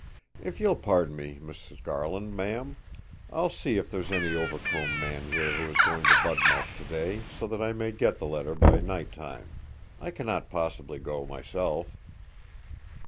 If you'll pardon me, Mrs. Garland, ma'am, I'll see if there's any Overcombe man here who is going to Budmouth to day, so that I may get the letter by night time. I cannot possibly go myself.'